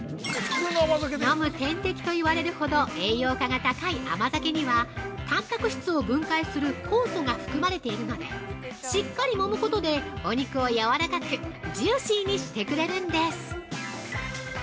◆飲む点滴といわれるほど栄養価が高い甘酒にはタンパク質を分解する酵素が含まれているのでしっかりもむことでお肉をやわらかくジューシーにしてくれるんです。